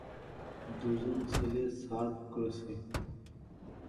দুজন ছেলে সার্ফ করছে।